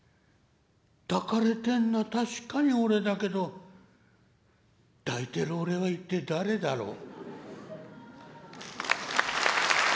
「抱かれてんのは確かに俺だけど抱いてる俺は一体誰だろう」。